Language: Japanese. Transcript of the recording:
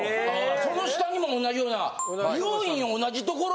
その下にも同じような。